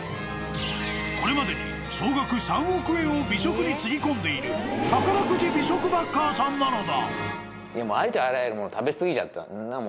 ［これまでに総額３億円を美食につぎ込んでいる宝くじ美食バッカーさんなのだ］